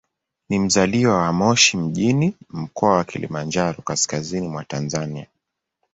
Ni mzaliwa wa Moshi mjini, Mkoa wa Kilimanjaro, kaskazini mwa Tanzania.